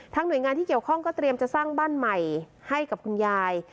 หน่วยงานที่เกี่ยวข้องก็เตรียมจะสร้างบ้านใหม่ให้กับคุณยาย